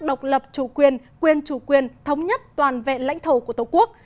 độc lập chủ quyền quyền chủ quyền thống nhất toàn vẹn lãnh thổ của tổ quốc